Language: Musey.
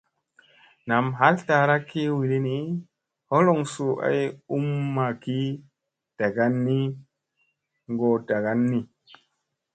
Nam ɦal taara ki ɦilini, holoŋ suu ay ummaki dagani ngoo daga ni.